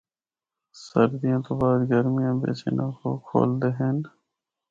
سردیوں تو بعد گرمیاں بچ اِناں کو کھولدے ہن۔